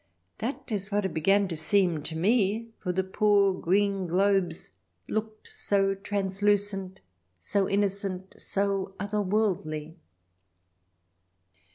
That is what it began to seem to me, for the poor green globes looked so translucent, so innocent, so other worldly.